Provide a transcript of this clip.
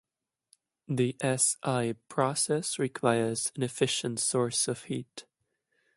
The S-I process requires an efficient source of heat.